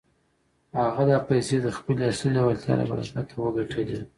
هغه دا پيسې د خپلې اصلي لېوالتيا له برکته وګټلې.